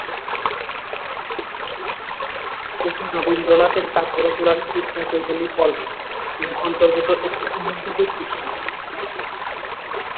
এটি রবীন্দ্রনাথের কাব্য রচনার "চিত্রা-চৈতালি পর্ব"-এর অন্তর্গত একটি উল্লেখযোগ্য সৃষ্টি।